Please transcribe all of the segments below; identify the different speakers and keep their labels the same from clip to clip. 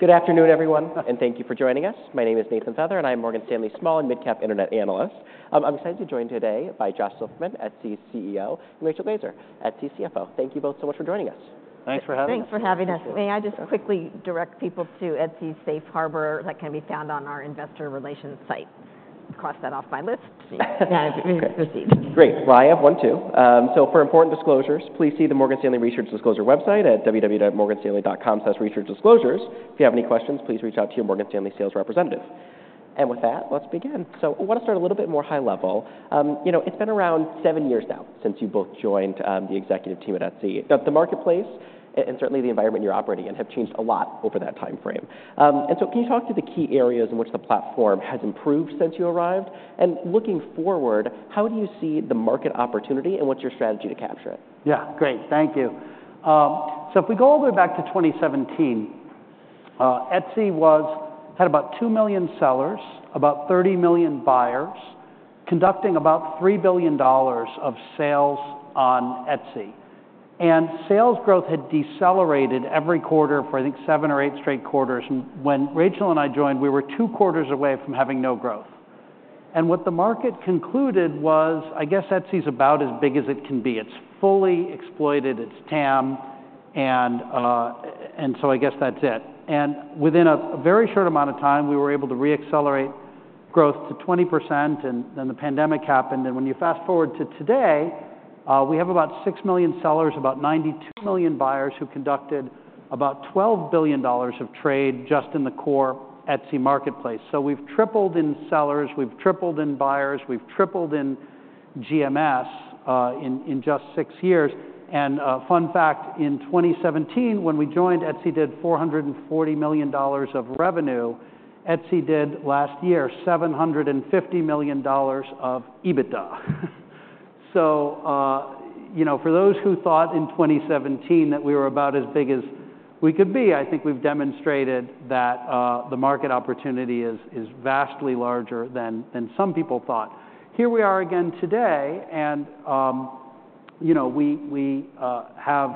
Speaker 1: Good afternoon, everyone, and thank you for joining us. My name is Nathan Feather, and I'm Morgan Stanley's small and mid-cap internet analyst. I'm excited to be joined today by Josh Silverman, Etsy's CEO, and Rachel Glaser, Etsy's CFO. Thank you both so much for joining us.
Speaker 2: Thanks for having us.
Speaker 3: Thanks for having us. May I just quickly direct people to Etsy's Safe Harbor that can be found on our investor relations site? Cross that off my list. Yeah, proceed.
Speaker 1: Great. Well, I have one too. For important disclosures, please see the Morgan Stanley Research Disclosure website at www.morganstanley.com/researchdisclosures. If you have any questions, please reach out to your Morgan Stanley sales representative. With that, let's begin. I want to start a little bit more high level. It's been around seven years now since you both joined the executive team at Etsy. The marketplace and certainly the environment you're operating in have changed a lot over that time frame. Can you talk to the key areas in which the platform has improved since you arrived? And looking forward, how do you see the market opportunity and what's your strategy to capture it?
Speaker 2: Yeah, great. Thank you. So if we go all the way back to 2017, Etsy had about 2 million sellers, about 30 million buyers, conducting about $3 billion of sales on Etsy. And sales growth had decelerated every quarter for, I think, seven or eight straight quarters. And when Rachel and I joined, we were two quarters away from having no growth. And what the market concluded was, I guess Etsy's about as big as it can be. It's fully exploited. It's TAM. And so I guess that's it. And within a very short amount of time, we were able to reaccelerate growth to 20%. And then the pandemic happened. And when you fast forward to today, we have about 6 million sellers, about 92 million buyers who conducted about $12 billion of trade just in the core Etsy marketplace. So we've tripled in sellers. We've tripled in buyers. We've tripled in GMS in just six years. Fun fact, in 2017, when we joined, Etsy did $440 million of revenue. Etsy did last year $750 million of EBITDA. For those who thought in 2017 that we were about as big as we could be, I think we've demonstrated that the market opportunity is vastly larger than some people thought. Here we are again today. We have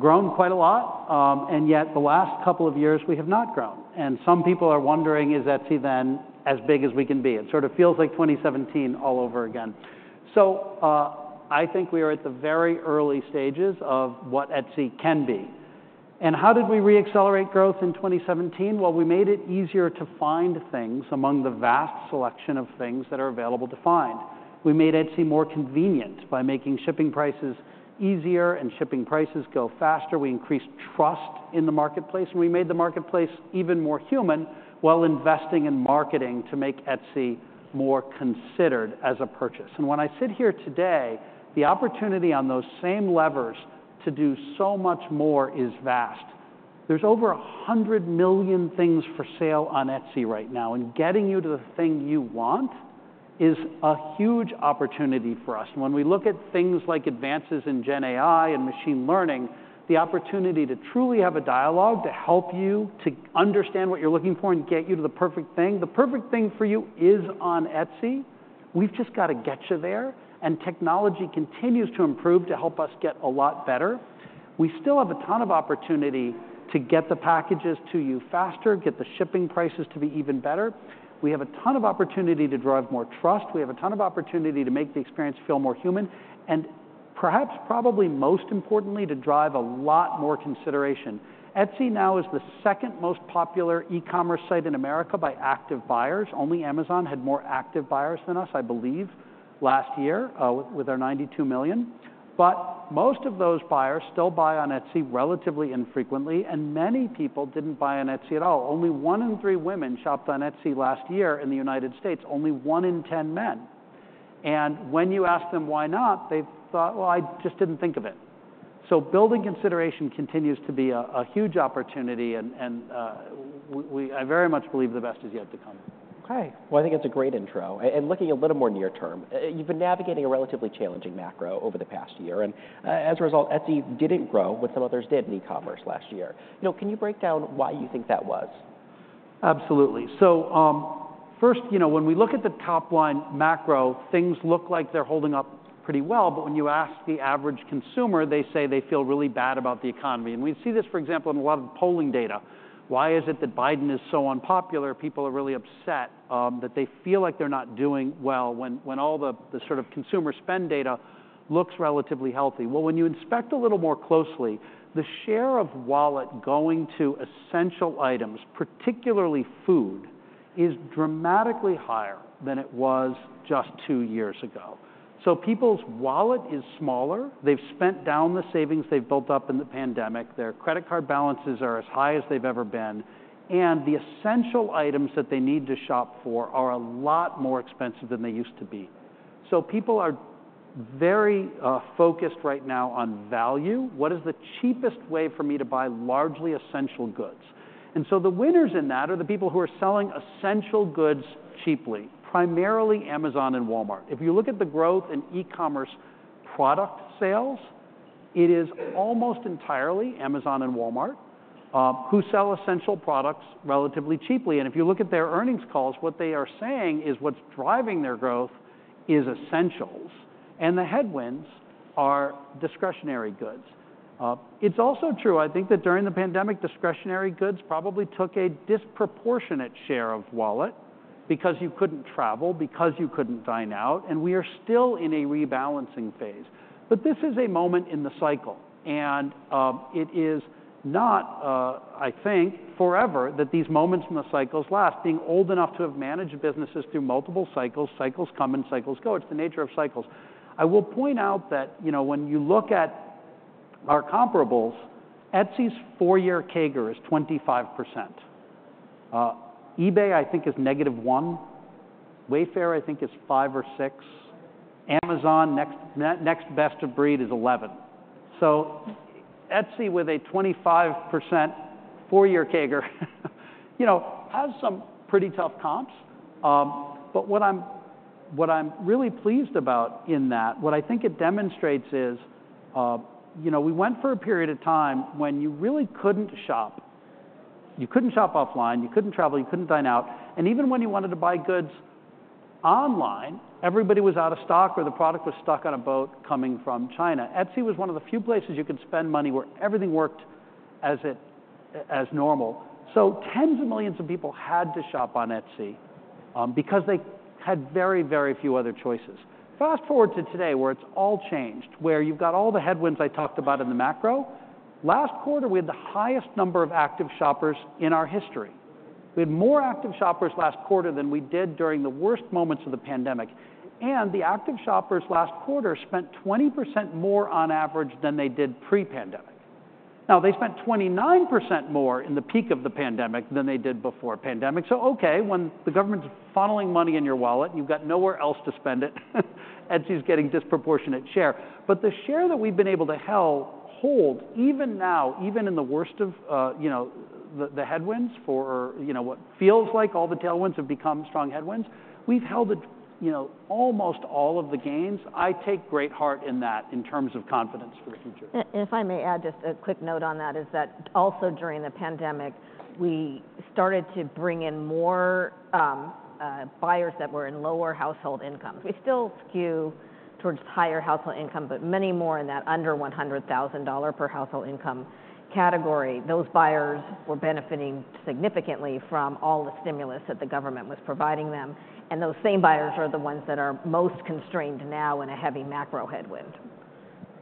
Speaker 2: grown quite a lot. Yet the last couple of years, we have not grown. Some people are wondering, is Etsy then as big as we can be? It sort of feels like 2017 all over again. I think we are at the very early stages of what Etsy can be. How did we reaccelerate growth in 2017? Well, we made it easier to find things among the vast selection of things that are available to find. We made Etsy more convenient by making shipping prices easier and shipping prices go faster. We increased trust in the marketplace. We made the marketplace even more human while investing in marketing to make Etsy more considered as a purchase. When I sit here today, the opportunity on those same levers to do so much more is vast. There's over 100 million things for sale on Etsy right now. Getting you to the thing you want is a huge opportunity for us. When we look at things like advances in Gen AI and machine learning, the opportunity to truly have a dialogue to help you to understand what you're looking for and get you to the perfect thing, the perfect thing for you is on Etsy. We've just got to get you there. Technology continues to improve to help us get a lot better. We still have a ton of opportunity to get the packages to you faster, get the shipping prices to be even better. We have a ton of opportunity to drive more trust. We have a ton of opportunity to make the experience feel more human. And perhaps, probably most importantly, to drive a lot more consideration. Etsy now is the second most popular e-commerce site in America by active buyers. Only Amazon had more active buyers than us, I believe, last year with our 92 million. But most of those buyers still buy on Etsy relatively infrequently. And many people didn't buy on Etsy at all. Only one in three women shopped on Etsy last year in the United States. Only one in 10 men. And when you ask them why not, they've thought, "Well, I just didn't think of it." So building consideration continues to be a huge opportunity. I very much believe the best is yet to come.
Speaker 1: Okay. Well, I think that's a great intro. Looking a little more near term, you've been navigating a relatively challenging macro over the past year. As a result, Etsy didn't grow, what some others did in e-commerce last year. Can you break down why you think that was?
Speaker 2: Absolutely. So first, when we look at the top line macro, things look like they're holding up pretty well. But when you ask the average consumer, they say they feel really bad about the economy. And we see this, for example, in a lot of the polling data. Why is it that Biden is so unpopular? People are really upset that they feel like they're not doing well when all the sort of consumer spend data looks relatively healthy. Well, when you inspect a little more closely, the share of wallet going to essential items, particularly food, is dramatically higher than it was just two years ago. So people's wallet is smaller. They've spent down the savings they've built up in the pandemic. Their credit card balances are as high as they've ever been. The essential items that they need to shop for are a lot more expensive than they used to be. People are very focused right now on value. What is the cheapest way for me to buy largely essential goods? The winners in that are the people who are selling essential goods cheaply, primarily Amazon and Walmart. If you look at the growth in e-commerce product sales, it is almost entirely Amazon and Walmart who sell essential products relatively cheaply. If you look at their earnings calls, what they are saying is what's driving their growth is essentials. The headwinds are discretionary goods. It's also true, I think, that during the pandemic, discretionary goods probably took a disproportionate share of wallet because you couldn't travel, because you couldn't dine out. We are still in a rebalancing phase. But this is a moment in the cycle. And it is not, I think, forever that these moments in the cycles last. Being old enough to have managed businesses through multiple cycles, cycles come and cycles go. It's the nature of cycles. I will point out that when you look at our comparables, Etsy's four-year CAGR is 25%. eBay, I think, is -1%. Wayfair, I think, is 5% or 6%. Amazon, next best of breed, is 11%. So Etsy, with a 25% four-year CAGR, has some pretty tough comps. But what I'm really pleased about in that, what I think it demonstrates is we went for a period of time when you really couldn't shop. You couldn't shop offline. You couldn't travel. You couldn't dine out. Even when you wanted to buy goods online, everybody was out of stock or the product was stuck on a boat coming from China. Etsy was one of the few places you could spend money where everything worked as normal. So tens of millions of people had to shop on Etsy because they had very, very few other choices. Fast forward to today, where it's all changed, where you've got all the headwinds I talked about in the macro. Last quarter, we had the highest number of active shoppers in our history. We had more active shoppers last quarter than we did during the worst moments of the pandemic. And the active shoppers last quarter spent 20% more on average than they did pre-pandemic. Now, they spent 29% more in the peak of the pandemic than they did before pandemic. Okay, when the government's funneling money in your wallet and you've got nowhere else to spend it, Etsy's getting disproportionate share. But the share that we've been able to hold even now, even in the worst of the headwinds for what feels like all the tailwinds have become strong headwinds, we've held almost all of the gains. I take great heart in that in terms of confidence for the future.
Speaker 3: And if I may add just a quick note on that, is that also during the pandemic, we started to bring in more buyers that were in lower household incomes. We still skew towards higher household income, but many more in that under $100,000 per household income category. Those buyers were benefiting significantly from all the stimulus that the government was providing them. And those same buyers are the ones that are most constrained now in a heavy macro headwind.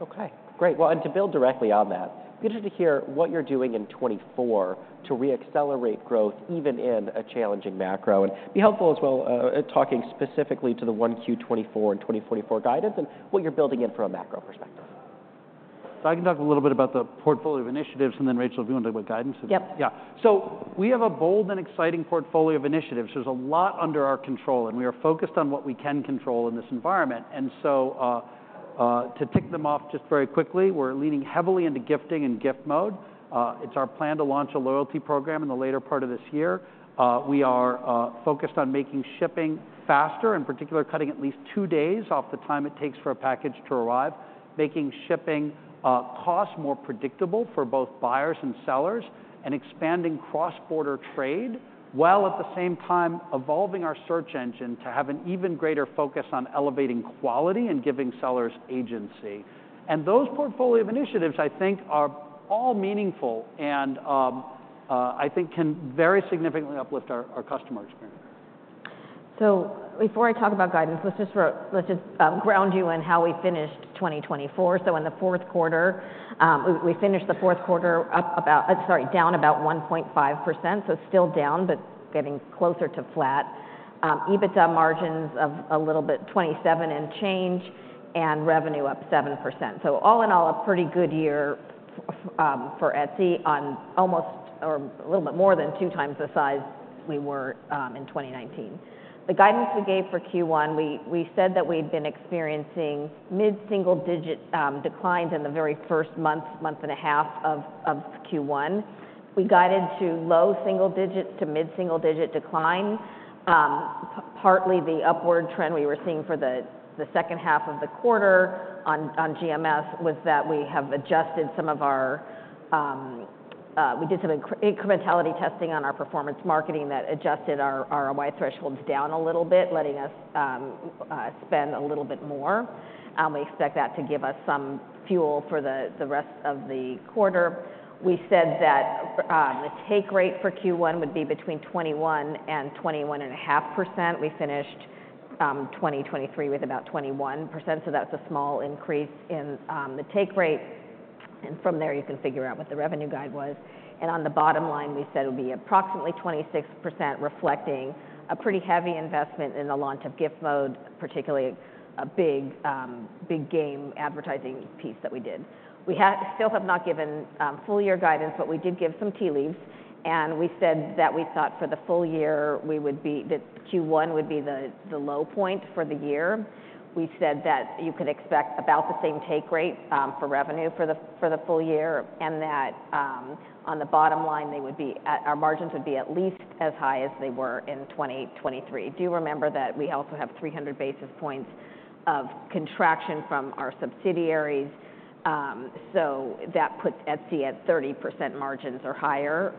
Speaker 1: Okay, great. Well, to build directly on that, I'd be interested to hear what you're doing in 2024 to reaccelerate growth even in a challenging macro and be helpful as well talking specifically to the 1Q 2024 and 2024 guidance and what you're building in from a macro perspective?
Speaker 2: So I can talk a little bit about the portfolio of initiatives. And then, Rachel, if you want to talk about guidance.
Speaker 3: Yep.
Speaker 2: Yeah. So we have a bold and exciting portfolio of initiatives. There's a lot under our control. And we are focused on what we can control in this environment. And so to tick them off just very quickly, we're leaning heavily into gifting and Gift Mode. It's our plan to launch a loyalty program in the later part of this year. We are focused on making shipping faster, in particular, cutting at least two days off the time it takes for a package to arrive, making shipping costs more predictable for both buyers and sellers, and expanding cross-border trade while at the same time evolving our search engine to have an even greater focus on elevating quality and giving sellers agency. And those portfolio of initiatives, I think, are all meaningful and I think can very significantly uplift our customer experience.
Speaker 3: So before I talk about guidance, let's just ground you in how we finished 2024. So in the fourth quarter, we finished the fourth quarter up about, sorry, down about 1.5%. So still down, but getting closer to flat. EBITDA margins of a little bit 27% and change and revenue up 7%. So all in all, a pretty good year for Etsy on almost or a little bit more than 2x the size we were in 2019. The guidance we gave for Q1, we said that we'd been experiencing mid-single digit declines in the very first month, month and a half of Q1. We guided to low single digit to mid-single digit decline. Partly, the upward trend we were seeing for the second half of the quarter on GMS was that we did some incrementality testing on our performance marketing that adjusted our ROI thresholds down a little bit, letting us spend a little bit more. We expect that to give us some fuel for the rest of the quarter. We said that the take rate for Q1 would be between 21%-21.5%. We finished 2023 with about 21%. So that's a small increase in the take rate. And from there, you can figure out what the revenue guide was. And on the bottom line, we said it would be approximately 26%, reflecting a pretty heavy investment in the launch of Gift Mode, particularly a Big Game advertising piece that we did. We still have not given full-year guidance, but we did give some tea leaves. We said that we thought for the full year, we would be that Q1 would be the low point for the year. We said that you could expect about the same take rate for revenue for the full year and that on the bottom line, our margins would be at least as high as they were in 2023. Do remember that we also have 300 basis points of contraction from our subsidiaries. So that puts Etsy at 30% margins or higher.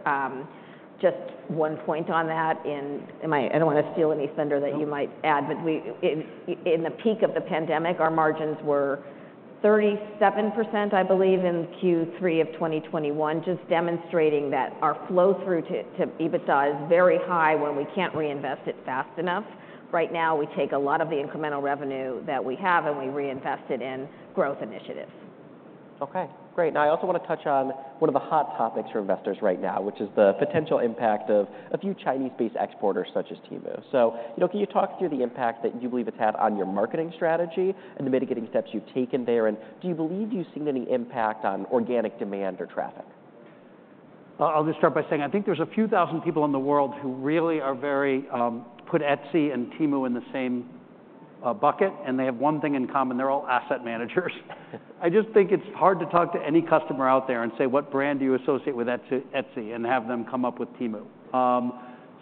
Speaker 3: Just one point on that in I don't want to steal any thunder that you might add. But in the peak of the pandemic, our margins were 37%, I believe, in Q3 of 2021, just demonstrating that our flow-through to EBITDA is very high when we can't reinvest it fast enough. Right now, we take a lot of the incremental revenue that we have and we reinvest it in growth initiatives.
Speaker 1: Okay, great. Now, I also want to touch on one of the hot topics for investors right now, which is the potential impact of a few Chinese-based exporters such as Temu. So can you talk through the impact that you believe it's had on your marketing strategy and the mitigating steps you've taken there? And do you believe you've seen any impact on organic demand or traffic?
Speaker 2: I'll just start by saying I think there's a few thousand people in the world who really are very put Etsy and Temu in the same bucket. They have one thing in common. They're all asset managers. I just think it's hard to talk to any customer out there and say, "What brand do you associate with Etsy?" and have them come up with Temu?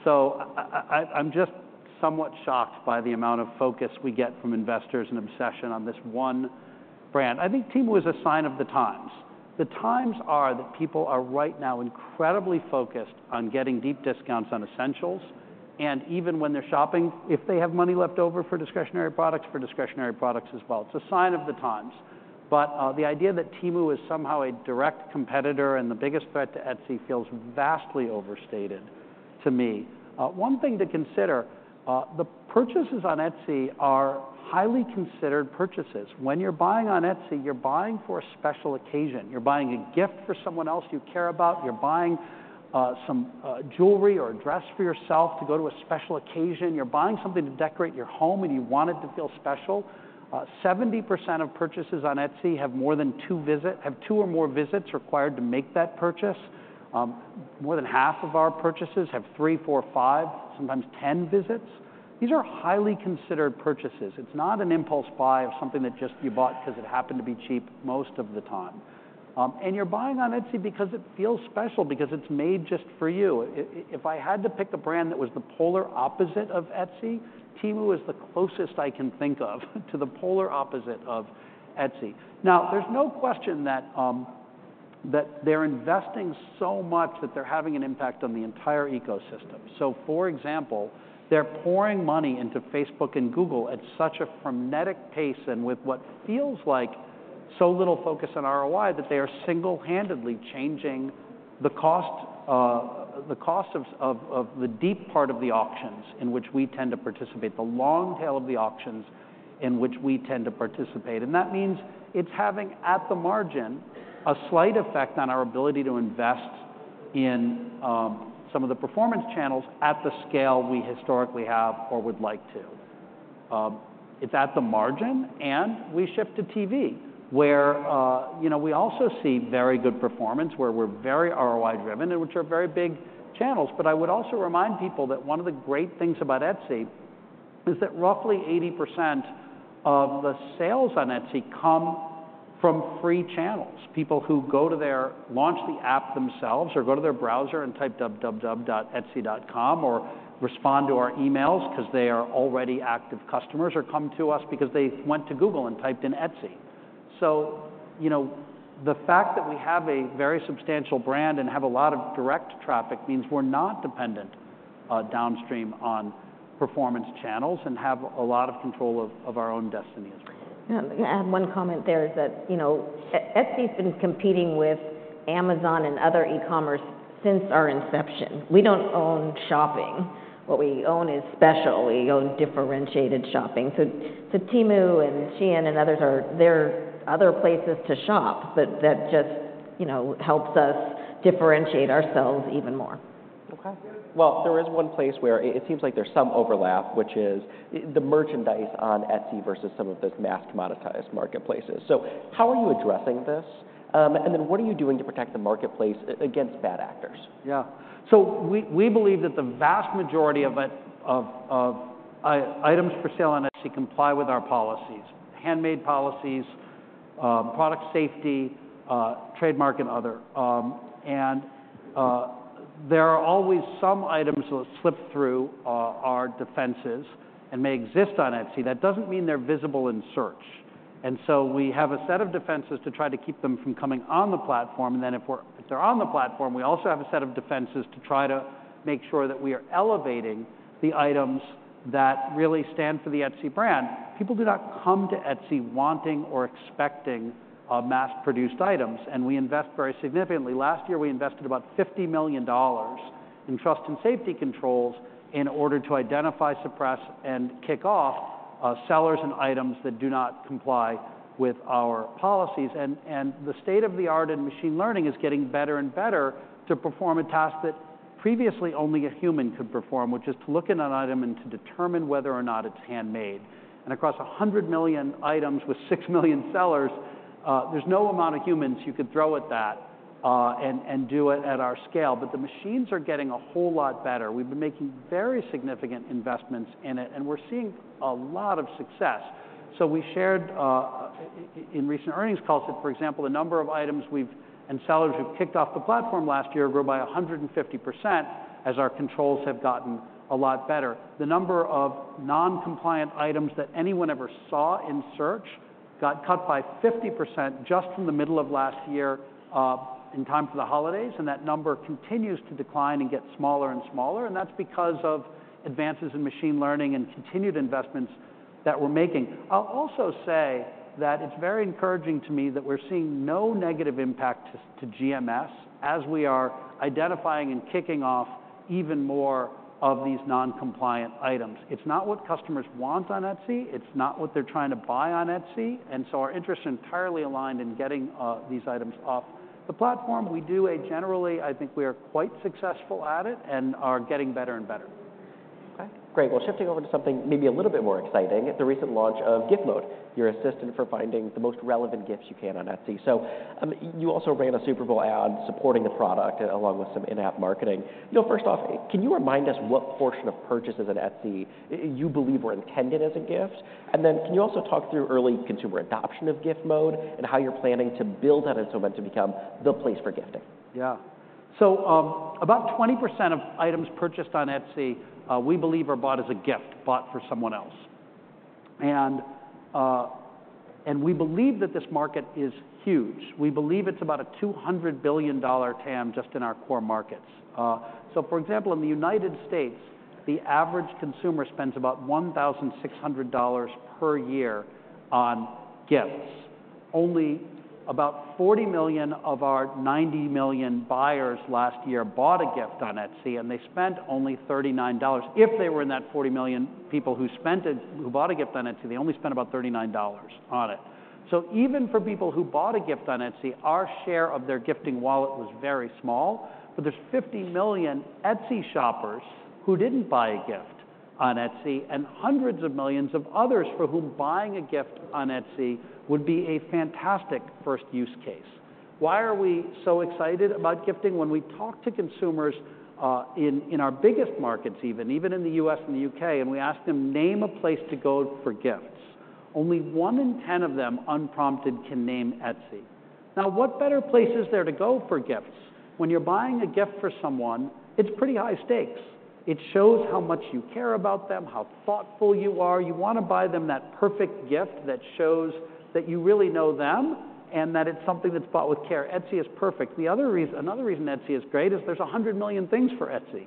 Speaker 2: So I'm just somewhat shocked by the amount of focus we get from investors and obsession on this one brand. I think Temu is a sign of the times. The times are that people are right now incredibly focused on getting deep discounts on essentials. And even when they're shopping, if they have money left over for discretionary products, for discretionary products as well. It's a sign of the times. But the idea that Temu is somehow a direct competitor and the biggest threat to Etsy feels vastly overstated to me. One thing to consider, the purchases on Etsy are highly considered purchases. When you're buying on Etsy, you're buying for a special occasion. You're buying a gift for someone else you care about. You're buying some jewelry or a dress for yourself to go to a special occasion. You're buying something to decorate your home. And you want it to feel special. 70% of purchases on Etsy have more than two or more visits required to make that purchase. More than half of our purchases have three, four, five, sometimes 10 visits. These are highly considered purchases. It's not an impulse buy of something that just you bought because it happened to be cheap most of the time. You're buying on Etsy because it feels special, because it's made just for you. If I had to pick a brand that was the polar opposite of Etsy, Temu is the closest I can think of to the polar opposite of Etsy. Now, there's no question that they're investing so much that they're having an impact on the entire ecosystem. So for example, they're pouring money into Facebook and Google at such a frenetic pace and with what feels like so little focus on ROI that they are single-handedly changing the cost of the deep part of the auctions in which we tend to participate, the long tail of the auctions in which we tend to participate. That means it's having, at the margin, a slight effect on our ability to invest in some of the performance channels at the scale we historically have or would like to. It's at the margin. We shift to TV, where we also see very good performance, where we're very ROI-driven, and which are very big channels. But I would also remind people that one of the great things about Etsy is that roughly 80% of the sales on Etsy come from free channels, people who go to their launch the app themselves or go to their browser and type www.etsy.com or respond to our emails because they are already active customers or come to us because they went to Google and typed in Etsy. So the fact that we have a very substantial brand and have a lot of direct traffic means we're not dependent downstream on performance channels and have a lot of control of our own destiny as well.
Speaker 3: Yeah. I'm going to add one comment there, is that Etsy's been competing with Amazon and other e-commerce since our inception. We don't own shopping. What we own is special. We own differentiated shopping. So Temu and Shein and others, there are other places to shop. But that just helps us differentiate ourselves even more.
Speaker 1: Okay. Well, there is one place where it seems like there's some overlap, which is the merchandise on Etsy versus some of those mass-commoditized marketplaces. So how are you addressing this? And then what are you doing to protect the marketplace against bad actors?
Speaker 2: Yeah. So we believe that the vast majority of items for sale on Etsy comply with our policies, handmade policies, product safety, trademark, and other. And there are always some items that slip through our defenses and may exist on Etsy. That doesn't mean they're visible in search. And so we have a set of defenses to try to keep them from coming on the platform. And then if they're on the platform, we also have a set of defenses to try to make sure that we are elevating the items that really stand for the Etsy brand. People do not come to Etsy wanting or expecting mass-produced items. And we invest very significantly. Last year, we invested about $50 million in trust and safety controls in order to identify, suppress, and kick off sellers and items that do not comply with our policies. The state of the art in machine learning is getting better and better to perform a task that previously only a human could perform, which is to look in an item and to determine whether or not it's handmade. Across 100 million items with 6 million sellers, there's no amount of humans you could throw at that and do it at our scale. But the machines are getting a whole lot better. We've been making very significant investments in it. We're seeing a lot of success. We shared in recent earnings calls that, for example, the number of items and sellers who've kicked off the platform last year grew by 150% as our controls have gotten a lot better. The number of non-compliant items that anyone ever saw in search got cut by 50% just from the middle of last year in time for the holidays. That number continues to decline and get smaller and smaller. That's because of advances in machine learning and continued investments that we're making. I'll also say that it's very encouraging to me that we're seeing no negative impact to GMS as we are identifying and kicking off even more of these non-compliant items. It's not what customers want on Etsy. It's not what they're trying to buy on Etsy. And so our interests are entirely aligned in getting these items off the platform. We do generally, I think we are quite successful at it and are getting better and better.
Speaker 1: Okay, great. Well, shifting over to something maybe a little bit more exciting, the recent launch of Gift Mode, your assistant for finding the most relevant gifts you can on Etsy. So you also ran a Super Bowl ad supporting the product along with some in-app marketing. First off, can you remind us what portion of purchases on Etsy you believe were intended as a gift? And then can you also talk through early consumer adoption of Gift Mode and how you're planning to build that until it's meant to become the place for gifting?
Speaker 2: Yeah. So about 20% of items purchased on Etsy, we believe, are bought as a gift, bought for someone else. We believe that this market is huge. We believe it's about a $200 billion TAM just in our core markets. For example, in the United States, the average consumer spends about $1,600 per year on gifts. Only about 40 million of our 90 million buyers last year bought a gift on Etsy. And they spent only $39. If they were in that 40 million people who bought a gift on Etsy, they only spent about $39 on it. So even for people who bought a gift on Etsy, our share of their gifting wallet was very small. There's 50 million Etsy shoppers who didn't buy a gift on Etsy and hundreds of millions of others for whom buying a gift on Etsy would be a fantastic first use case. Why are we so excited about gifting when we talk to consumers in our biggest markets, even in the U.S. and the U.K., and we ask them to name a place to go for gifts? Only one in 10 of them unprompted can name Etsy. Now, what better place is there to go for gifts? When you're buying a gift for someone, it's pretty high stakes. It shows how much you care about them, how thoughtful you are. You want to buy them that perfect gift that shows that you really know them and that it's something that's bought with care. Etsy is perfect. Another reason Etsy is great is there's 100 million things for Etsy.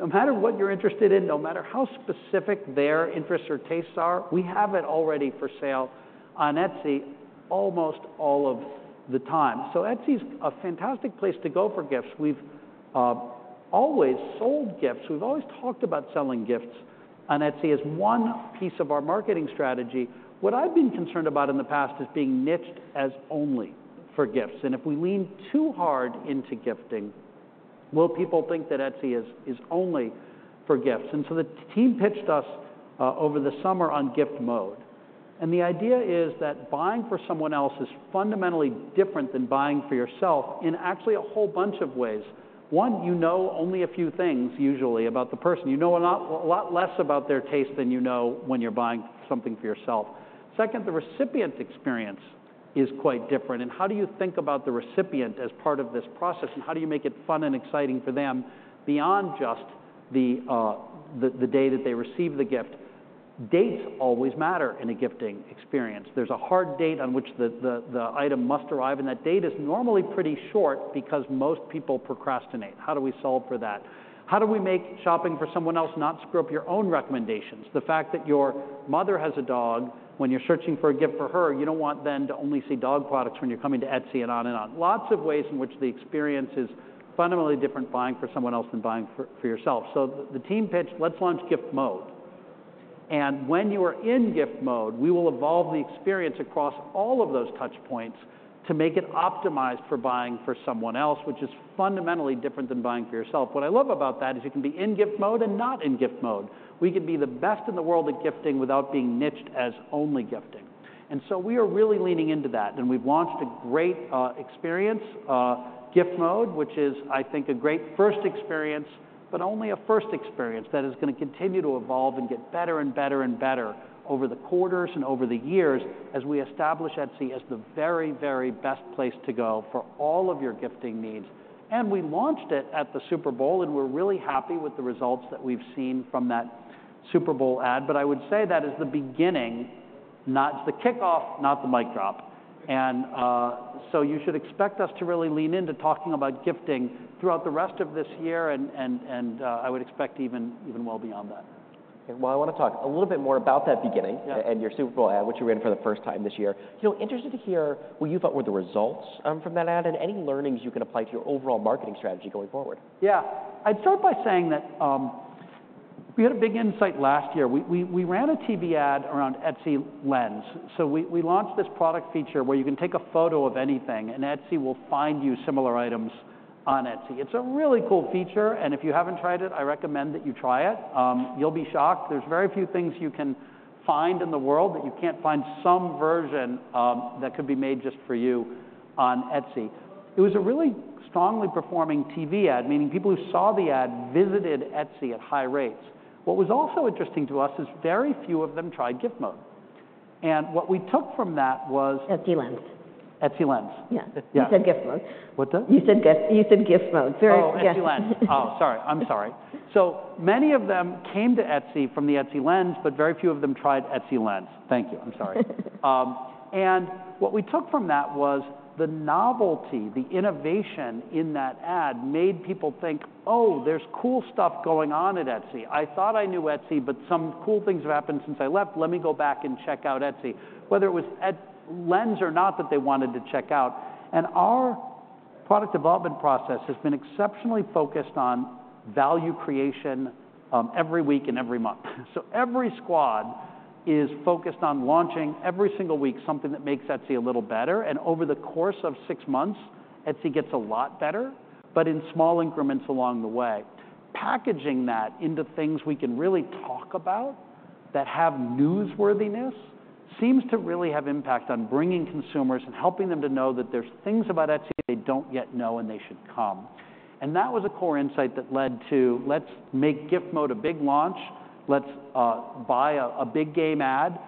Speaker 2: No matter what you're interested in, no matter how specific their interests or tastes are, we have it already for sale on Etsy almost all of the time. So Etsy's a fantastic place to go for gifts. We've always sold gifts. We've always talked about selling gifts on Etsy as one piece of our marketing strategy. What I've been concerned about in the past is being niched as only for gifts. And if we lean too hard into gifting, will people think that Etsy is only for gifts? And so the team pitched us over the summer on Gift Mode. And the idea is that buying for someone else is fundamentally different than buying for yourself in actually a whole bunch of ways. One, you know only a few things usually about the person. You know a lot less about their taste than you know when you're buying something for yourself. Second, the recipient experience is quite different. And how do you think about the recipient as part of this process? And how do you make it fun and exciting for them beyond just the day that they receive the gift? Dates always matter in a gifting experience. There's a hard date on which the item must arrive. And that date is normally pretty short because most people procrastinate. How do we solve for that? How do we make shopping for someone else not screw up your own recommendations? The fact that your mother has a dog, when you're searching for a gift for her, you don't want then to only see dog products when you're coming to Etsy and on and on. Lots of ways in which the experience is fundamentally different buying for someone else than buying for yourself. So the team pitched, let's launch Gift Mode. And when you are in Gift Mode, we will evolve the experience across all of those touch points to make it optimized for buying for someone else, which is fundamentally different than buying for yourself. What I love about that is you can be in Gift Mode and not in Gift Mode. We can be the best in the world at gifting without being niched as only gifting. And so we are really leaning into that. We've launched a great experience, Gift Mode, which is, I think, a great first experience, but only a first experience that is going to continue to evolve and get better and better and better over the quarters and over the years as we establish Etsy as the very, very best place to go for all of your gifting needs. We launched it at the Super Bowl. We're really happy with the results that we've seen from that Super Bowl ad. But I would say that is the beginning, not the kickoff, not the mic drop. So you should expect us to really lean into talking about gifting throughout the rest of this year. I would expect even well beyond that.
Speaker 1: Okay. Well, I want to talk a little bit more about that beginning and your Super Bowl ad, which you ran for the first time this year. Interested to hear what you thought were the results from that ad and any learnings you can apply to your overall marketing strategy going forward.
Speaker 2: Yeah. I'd start by saying that we had a big insight last year. We ran a TV ad around Etsy Lens. So we launched this product feature where you can take a photo of anything. And Etsy will find you similar items on Etsy. It's a really cool feature. And if you haven't tried it, I recommend that you try it. You'll be shocked. There's very few things you can find in the world that you can't find some version that could be made just for you on Etsy. It was a really strongly performing TV ad, meaning people who saw the ad visited Etsy at high rates. What was also interesting to us is very few of them tried Gift Mode. And what we took from that was.
Speaker 3: Etsy Lens.
Speaker 2: Etsy Lens.
Speaker 3: Yeah. You said Gift Mode.
Speaker 2: What did?
Speaker 3: You said Gift Mode. Very interesting.
Speaker 2: Oh, Etsy Lens. Oh, sorry. I'm sorry. So many of them came to Etsy from the Etsy Lens. But very few of them tried Etsy Lens. Thank you. I'm sorry. And what we took from that was the novelty, the innovation in that ad made people think, oh, there's cool stuff going on at Etsy. I thought I knew Etsy. But some cool things have happened since I left. Let me go back and check out Etsy, whether it was at Lens or not that they wanted to check out. And our product development process has been exceptionally focused on value creation every week and every month. So every squad is focused on launching every single week something that makes Etsy a little better. And over the course of six months, Etsy gets a lot better, but in small increments along the way. Packaging that into things we can really talk about that have newsworthiness seems to really have impact on bringing consumers and helping them to know that there's things about Etsy they don't yet know and they should come. And that was a core insight that led to, let's make Gift Mode a big launch. Let's buy a big game ad,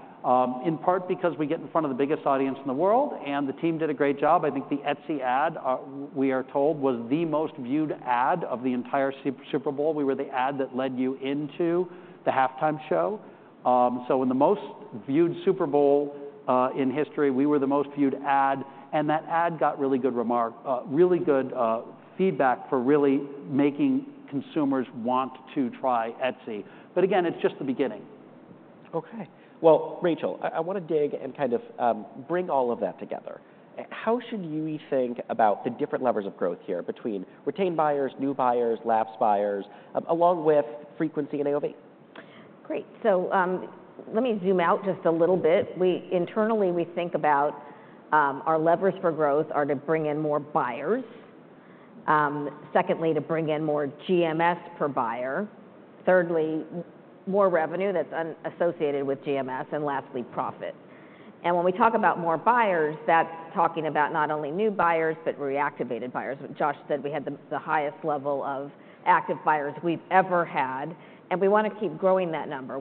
Speaker 2: in part because we get in front of the biggest audience in the world. And the team did a great job. I think the Etsy ad, we are told, was the most viewed ad of the entire Super Bowl. We were the ad that led you into the halftime show. So in the most viewed Super Bowl in history, we were the most viewed ad. And that ad got really good feedback for really making consumers want to try Etsy. But again, it's just the beginning.
Speaker 1: Okay. Well, Rachel, I want to dig and kind of bring all of that together. How should you think about the different levers of growth here between retained buyers, new buyers, lapsed buyers, along with frequency and AOV?
Speaker 3: Great. So let me zoom out just a little bit. Internally, we think about our levers for growth are to bring in more buyers. Secondly, to bring in more GMS per buyer. Thirdly, more revenue that's associated with GMS. And lastly, profit. And when we talk about more buyers, that's talking about not only new buyers, but reactivated buyers. Josh said we had the highest level of active buyers we've ever had. And we want to keep growing that number.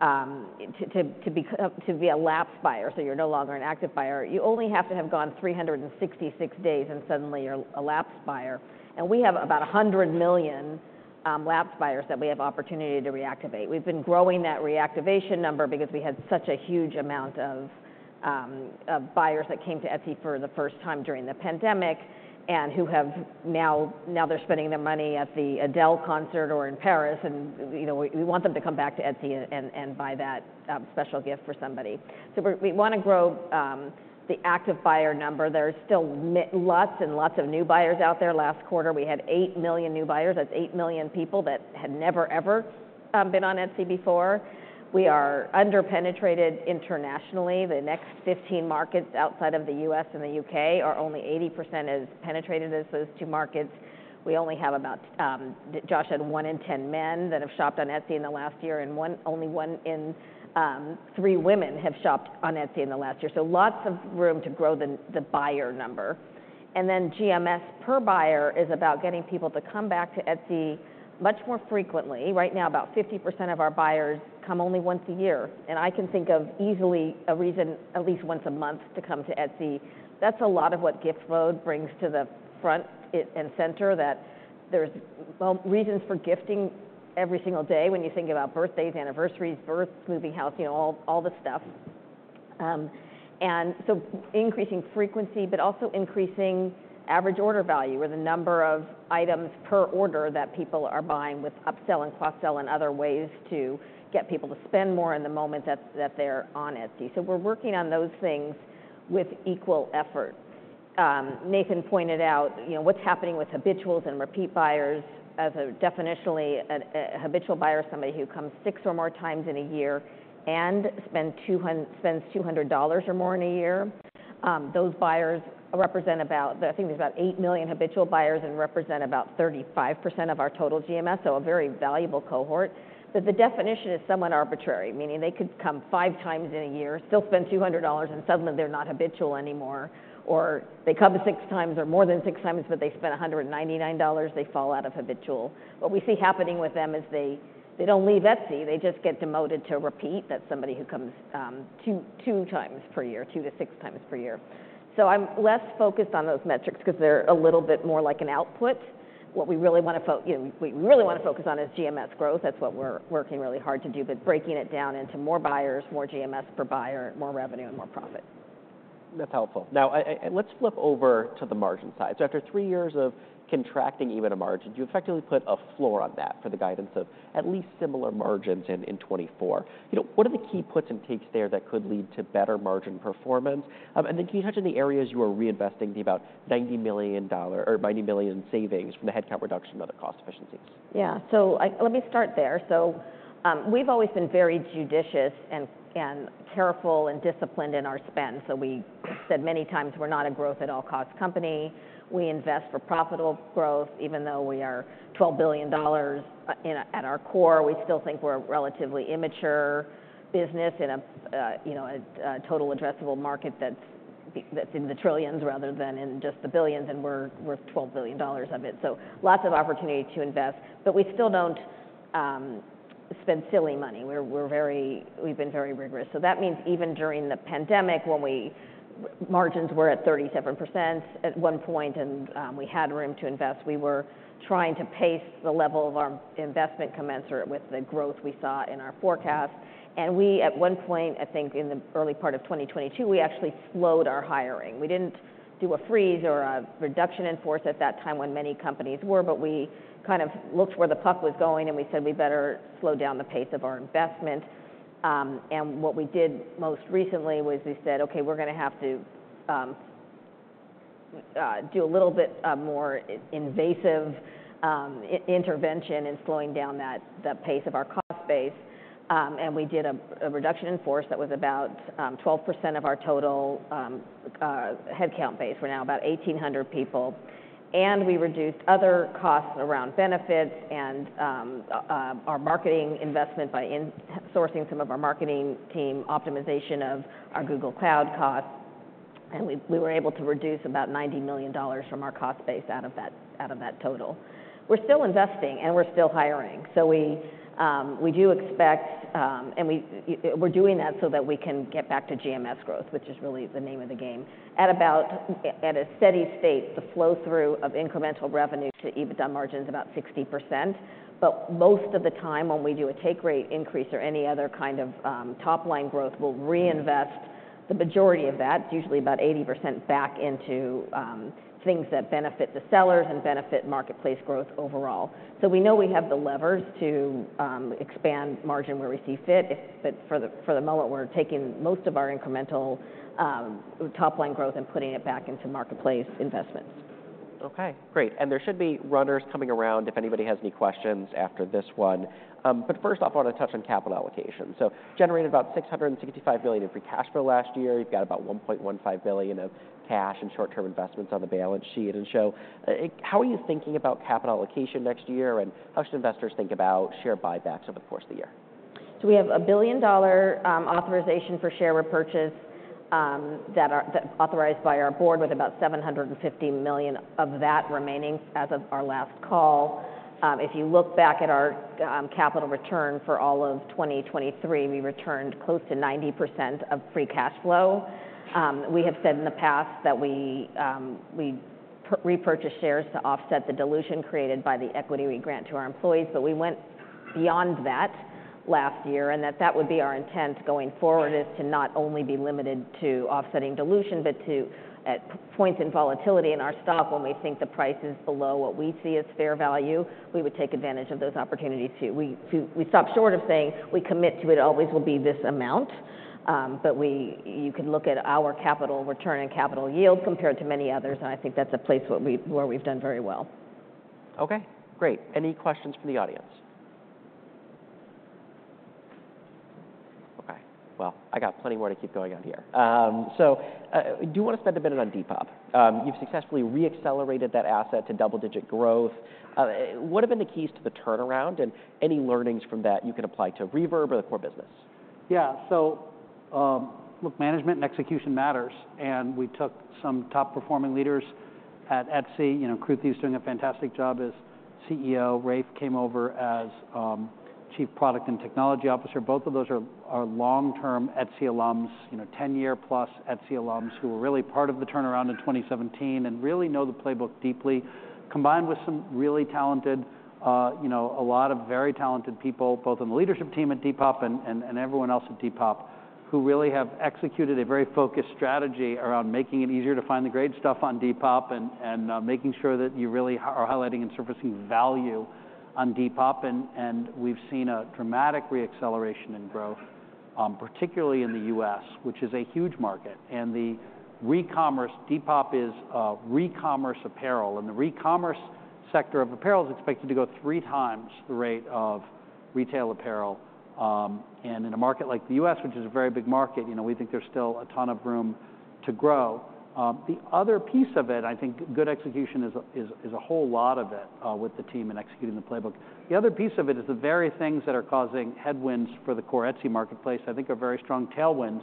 Speaker 3: To be a lapsed buyer, so you're no longer an active buyer, you only have to have gone 366 days and suddenly you're a lapsed buyer. And we have about 100 million lapsed buyers that we have opportunity to reactivate. We've been growing that reactivation number because we had such a huge amount of buyers that came to Etsy for the first time during the pandemic and who have now, they're spending their money at the Adele concert or in Paris. And we want them to come back to Etsy and buy that special gift for somebody. So we want to grow the active buyer number. There's still lots and lots of new buyers out there. Last quarter, we had 8 million new buyers. That's 8 million people that had never, ever been on Etsy before. We are underpenetrated internationally. The next 15 markets outside of the U.S. and the U.K. are only 80% as penetrated as those two markets. We only have about one in 10 men that have shopped on Etsy in the last year. Only one in three women have shopped on Etsy in the last year. So lots of room to grow the buyer number. And then GMS per buyer is about getting people to come back to Etsy much more frequently. Right now, about 50% of our buyers come only once a year. And I can think of easily a reason at least once a month to come to Etsy. That's a lot of what Gift Mode brings to the front and center, that there's reasons for gifting every single day when you think about birthdays, anniversaries, births, moving house, all the stuff. And so increasing frequency, but also increasing average order value or the number of items per order that people are buying with upsell and cross-sell and other ways to get people to spend more in the moment that they're on Etsy. So we're working on those things with equal effort. Nathan pointed out what's happening with habituals and repeat buyers. By definition, a habitual buyer is somebody who comes six or more times in a year and spends $200 or more in a year. Those buyers represent about I think there's about 8 million habitual buyers and represent about 35% of our total GMS, so a very valuable cohort. But the definition is somewhat arbitrary, meaning they could come five times in a year, still spend $200, and suddenly they're not habitual anymore. Or they come six times or more than six times, but they spend $199. They fall out of habitual. What we see happening with them is they don't leave Etsy. They just get demoted to repeat. That's somebody who comes two times per year, two to six times per year. I'm less focused on those metrics because they're a little bit more like an output. What we really want to focus on is GMS growth. That's what we're working really hard to do, but breaking it down into more buyers, more GMS per buyer, more revenue, and more profit.
Speaker 1: That's helpful. Now, let's flip over to the margin side. So after three years of contracting EBITDA margin, you effectively put a floor on that for the guidance of at least similar margins in 2024. What are the key puts and takes there that could lead to better margin performance? And then can you touch on the areas you are reinvesting the about $90 million or $90 million in savings from the headcount reduction and other cost efficiencies?
Speaker 3: Yeah. So let me start there. So we've always been very judicious and careful and disciplined in our spend. So we said many times we're not a growth at all cost company. We invest for profitable growth, even though we are $12 billion at our core. We still think we're a relatively immature business in a total addressable market that's in the trillions rather than in just the billions. And we're $12 billion of it. So lots of opportunity to invest. But we still don't spend silly money. We've been very rigorous. So that means even during the pandemic, when margins were at 37% at one point and we had room to invest, we were trying to pace the level of our investment commensurate with the growth we saw in our forecast. And we, at one point, I think in the early part of 2022, we actually slowed our hiring. We didn't do a freeze or a reduction in force at that time when many companies were. But we kind of looked where the puck was going. And we said we better slow down the pace of our investment. And what we did most recently was we said, okay, we're going to have to do a little bit more invasive intervention in slowing down that pace of our cost base. And we did a reduction in force that was about 12% of our total headcount base. We're now about 1,800 people. And we reduced other costs around benefits and our marketing investment by sourcing some of our marketing team, optimization of our Google Cloud costs. And we were able to reduce about $90 million from our cost base out of that total. We're still investing. And we're still hiring. So we do expect and we're doing that so that we can get back to GMS growth, which is really the name of the game. At a steady state, the flow through of incremental revenue to EBITDA margin is about 60%. But most of the time, when we do a take rate increase or any other kind of top line growth, we'll reinvest the majority of that, usually about 80%, back into things that benefit the sellers and benefit marketplace growth overall. So we know we have the levers to expand margin where we see fit. But for the moment, we're taking most of our incremental top line growth and putting it back into marketplace investments.
Speaker 1: Okay. Great. And there should be runners coming around if anybody has any questions after this one. But first off, I want to touch on capital allocation. So generated about $665 million in free cash flow last year. You've got about $1.15 billion of cash and short-term investments on the balance sheet. And Josh, how are you thinking about capital allocation next year? And how should investors think about share buybacks over the course of the year?
Speaker 3: So we have $1 billion authorization for share repurchase that are authorized by our board, with about $750 million of that remaining as of our last call. If you look back at our capital return for all of 2023, we returned close to 90% of free cash flow. We have said in the past that we repurchase shares to offset the dilution created by the equity we grant to our employees. But we went beyond that last year. And that would be our intent going forward is to not only be limited to offsetting dilution, but to at points in volatility in our stock, when we think the price is below what we see as fair value, we would take advantage of those opportunities too. We stopped short of saying we commit to it always will be this amount. You could look at our capital return and capital yield compared to many others. I think that's a place where we've done very well.
Speaker 1: Okay. Great. Any questions from the audience? Okay. Well, I got plenty more to keep going on here. So I do want to spend a minute on Depop. You've successfully reaccelerated that asset to double-digit growth. What have been the keys to the turnaround? And any learnings from that you can apply to Reverb or the core business?
Speaker 2: Yeah. So look, management and execution matters. We took some top performing leaders at Etsy. Kruti is doing a fantastic job as CEO. Rafe came over as Chief Product and Technology Officer. Both of those are long-term Etsy alums, 10-year-plus Etsy alums, who were really part of the turnaround in 2017 and really know the playbook deeply, combined with some really talented a lot of very talented people, both in the leadership team at Depop and everyone else at Depop, who really have executed a very focused strategy around making it easier to find the great stuff on Depop and making sure that you really are highlighting and surfacing value on Depop. We've seen a dramatic reacceleration in growth, particularly in the U.S., which is a huge market. The re-commerce Depop is re-commerce apparel. The re-commerce sector of apparel is expected to go three times the rate of retail apparel. In a market like the U.S., which is a very big market, we think there's still a ton of room to grow. The other piece of it, and I think good execution is a whole lot of it with the team and executing the playbook. The other piece of it is the very things that are causing headwinds for the core Etsy marketplace, I think, are very strong tailwinds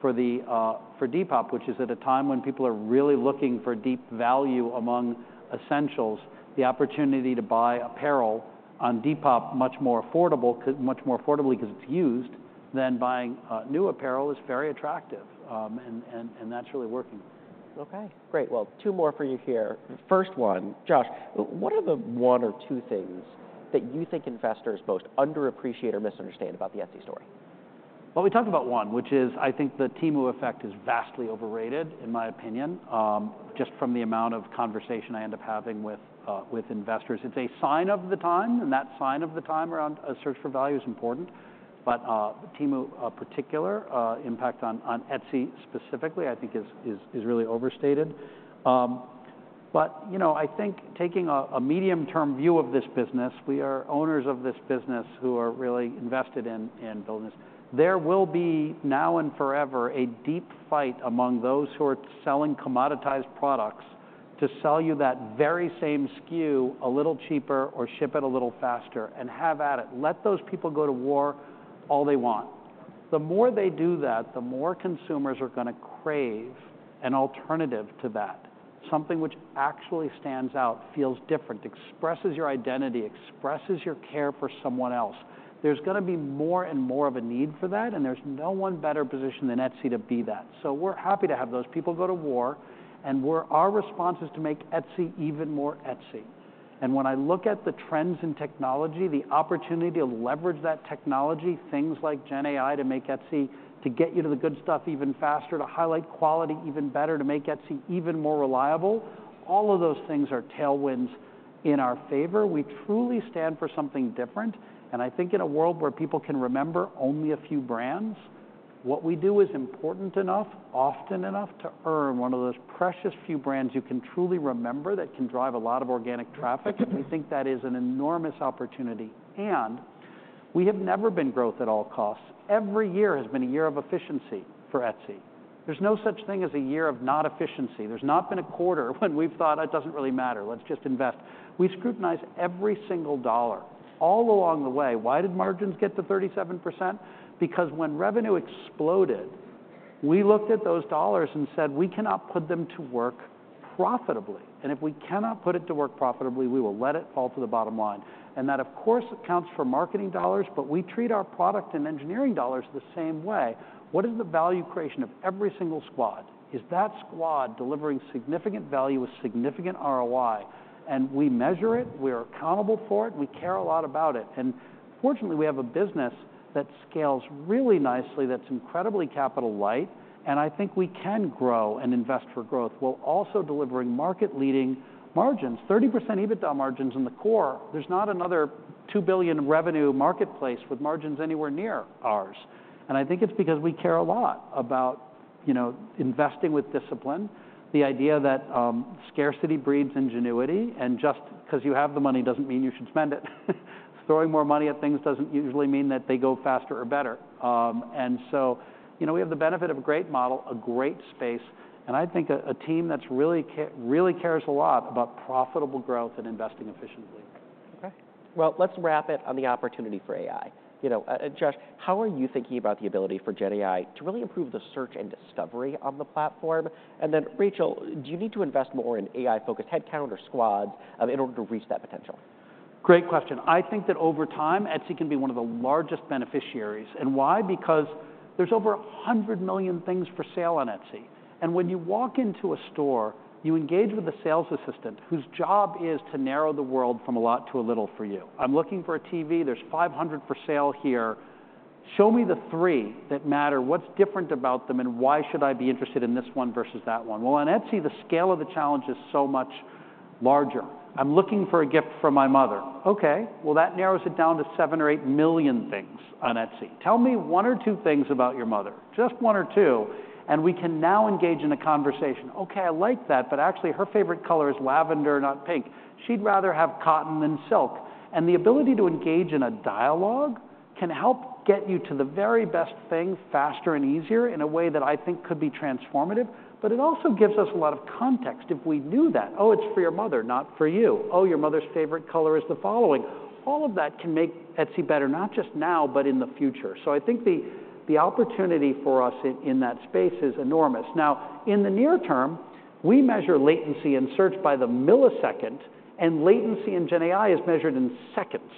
Speaker 2: for Depop, which is at a time when people are really looking for deep value among essentials. The opportunity to buy apparel on Depop much more affordably because it's used than buying new apparel is very attractive. That's really working.
Speaker 1: Okay. Great. Well, two more for you here. First one, Josh, what are the one or two things that you think investors most underappreciate or misunderstand about the Etsy story?
Speaker 2: Well, we talked about one, which is, I think, the Temu effect is vastly overrated, in my opinion, just from the amount of conversation I end up having with investors. It's a sign of the times. That sign of the times around a search for value is important. Temu in particular, impact on Etsy specifically, I think, is really overstated. I think taking a medium-term view of this business, we are owners of this business who are really invested in business. There will be now and forever a deep fight among those who are selling commoditized products to sell you that very same SKU a little cheaper or ship it a little faster and have at it. Let those people go to war all they want. The more they do that, the more consumers are going to crave an alternative to that, something which actually stands out, feels different, expresses your identity, expresses your care for someone else. There's going to be more and more of a need for that. And there's no one better positioned than Etsy to be that. So we're happy to have those people go to war. And our response is to make Etsy even more Etsy. And when I look at the trends in technology, the opportunity to leverage that technology, things like Gen AI to make Etsy to get you to the good stuff even faster, to highlight quality even better, to make Etsy even more reliable, all of those things are tailwinds in our favor. We truly stand for something different. I think in a world where people can remember only a few brands, what we do is important enough, often enough, to earn one of those precious few brands you can truly remember that can drive a lot of organic traffic. We think that is an enormous opportunity. We have never been growth at all costs. Every year has been a year of efficiency for Etsy. There's no such thing as a year of not efficiency. There's not been a quarter when we've thought, it doesn't really matter. Let's just invest. We scrutinize every single dollar all along the way. Why did margins get to 37%? Because when revenue exploded, we looked at those dollars and said, we cannot put them to work profitably. And if we cannot put it to work profitably, we will let it fall to the bottom line. And that, of course, accounts for marketing dollars. But we treat our product and engineering dollars the same way. What is the value creation of every single squad? Is that squad delivering significant value with significant ROI? And we measure it. We are accountable for it. And we care a lot about it. And fortunately, we have a business that scales really nicely, that's incredibly capital light. And I think we can grow and invest for growth while also delivering market-leading margins, 30% EBITDA margins in the core. There's not another $2 billion revenue marketplace with margins anywhere near ours. And I think it's because we care a lot about investing with discipline, the idea that scarcity breeds ingenuity. And just because you have the money doesn't mean you should spend it. Throwing more money at things doesn't usually mean that they go faster or better. We have the benefit of a great model, a great space, and I think a team that really cares a lot about profitable growth and investing efficiently.
Speaker 1: Okay. Well, let's wrap it on the opportunity for AI. Josh, how are you thinking about the ability for Gen AI to really improve the search and discovery on the platform? And then, Rachel, do you need to invest more in AI-focused headcount or squads in order to reach that potential?
Speaker 2: Great question. I think that over time, Etsy can be one of the largest beneficiaries. And why? Because there's over 100 million things for sale on Etsy. And when you walk into a store, you engage with a sales assistant whose job is to narrow the world from a lot to a little for you. I'm looking for a TV. There's 500 for sale here. Show me the three that matter. What's different about them? And why should I be interested in this one versus that one? Well, on Etsy, the scale of the challenge is so much larger. I'm looking for a gift from my mother. Okay. Well, that narrows it down to 7 or 8 million things on Etsy. Tell me one or two things about your mother, just one or two. And we can now engage in a conversation. Okay, I like that. But actually, her favorite color is lavender, not pink. She'd rather have cotton than silk. And the ability to engage in a dialogue can help get you to the very best thing faster and easier in a way that I think could be transformative. But it also gives us a lot of context if we knew that. Oh, it's for your mother, not for you. Oh, your mother's favorite color is the following. All of that can make Etsy better, not just now, but in the future. So I think the opportunity for us in that space is enormous. Now, in the near term, we measure latency in search by the millisecond. And latency in Gen AI is measured in seconds.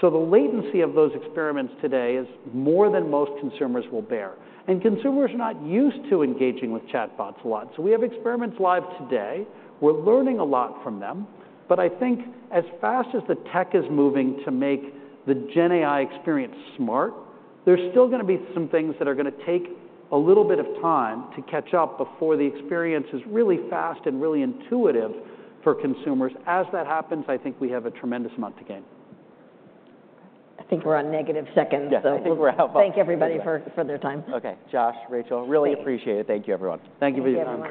Speaker 2: So the latency of those experiments today is more than most consumers will bear. And consumers are not used to engaging with chatbots a lot. So we have experiments live today. We're learning a lot from them. But I think as fast as the tech is moving to make the Gen AI experience smart, there's still going to be some things that are going to take a little bit of time to catch up before the experience is really fast and really intuitive for consumers. As that happens, I think we have a tremendous amount to gain.
Speaker 3: I think we're on negative seconds.
Speaker 1: Yeah. I think we're out.
Speaker 3: Thank everybody for their time.
Speaker 1: OK. Josh, Rachel, really appreciate it. Thank you, everyone. Thank you for your time.